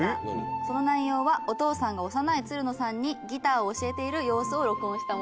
その内容はお父さんが幼いつるのさんにギターを教えている様子を録音したものです。